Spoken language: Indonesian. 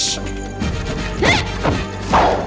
aku akan membunuhmu